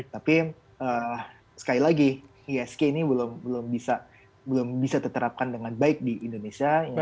tapi sekali lagi isg ini belum bisa diterapkan dengan baik di indonesia